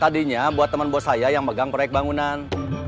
tadinya buat temen bos saya yang megang proyek bangunan